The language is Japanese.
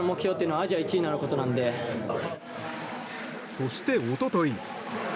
そして一昨日。